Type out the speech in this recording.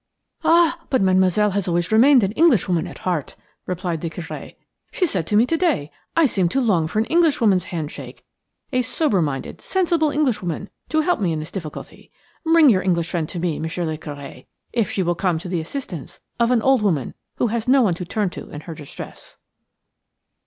"Ah, but Mademoiselle has always remained an Englishwoman at heart," replied the Curé. "She said to me to day: 'I seem to long for an Englishwoman's handshake, a sober minded, sensible Englishwoman, to help me in this difficulty. Bring your English friend to me, Monsieur le Curé, if she will come to the assistance of an old woman who has no one to turn to in her distress.'"